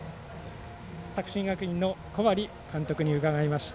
作新学院の小針監督に伺いました。